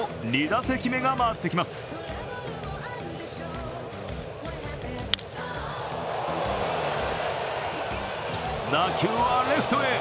打球はレフトへ。